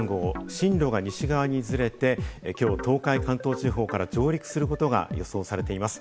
進路が西側にずれて、きょう東海、関東地方から上陸することが予想されています。